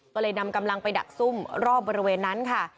ก็เลยนำกำลังไปดักซุ่มรอบบริเวณนั้นค่ะ